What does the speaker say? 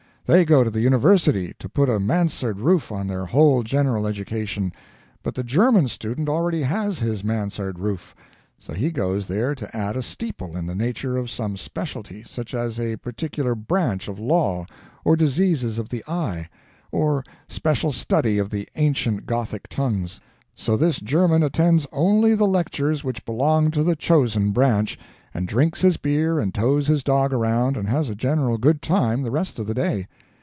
They go to the university to put a mansard roof on their whole general education; but the German student already has his mansard roof, so he goes there to add a steeple in the nature of some specialty, such as a particular branch of law, or diseases of the eye, or special study of the ancient Gothic tongues. So this German attends only the lectures which belong to the chosen branch, and drinks his beer and tows his dog around and has a general good time the rest of the day.